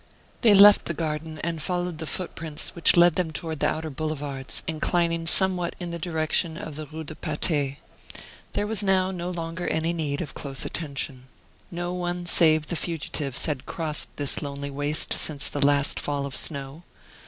They left the garden and followed the footprints which led them toward the outer boulevards, inclining somewhat in the direction of the Rue de Patay. There was now no longer any need of close attention. No one save the fugitives had crossed this lonely waste since the last fall of snow.